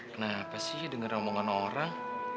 kenapa sih denger omongan orang